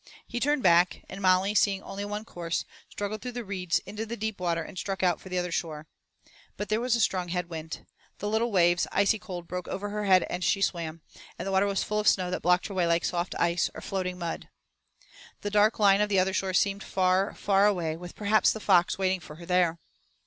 He turned back, and Molly, seeing only one course, struggled through the reeds into the deep water and struck out for the other shore. But there was a strong headwind. The little waves, icy cold, broke over her head as she swam, and the water was full of snow that blocked her way like soft ice, or floating mud. The dark line of the other shore seemed far, far away, with perhaps the fox waiting for her there.